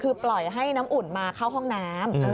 คือปล่อยให้น้ำอุ่นมาเข้าห้องน้ำ